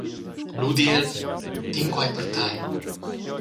Lu di el: «Tegn quei per tei.